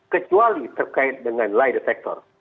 kecuali terkait dengan light detector